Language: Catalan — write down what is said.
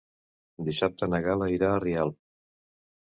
Dissabte na Gal·la irà a Rialp.